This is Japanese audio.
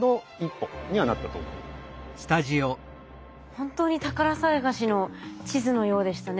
本当に宝探しの地図のようでしたね。